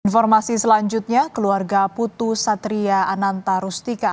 informasi selanjutnya keluarga putu satria ananta rustika